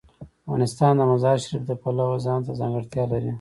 افغانستان د مزارشریف د پلوه ځانته ځانګړتیا لري.